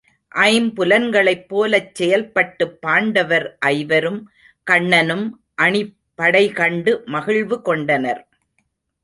ஐம்புலன்களைப் போலச் செயல்பட்டுப் பாண்டவர் ஐவரும் கண்ணனும் அணிபடைகண்டு மகிழ்வு கொண்ட னர்.